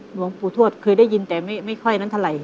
หลวงปู่ทวดเคยได้ยินแต่ไม่ค่อยนั้นเท่าไหร